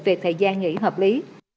về thời gian nghỉ hợp lý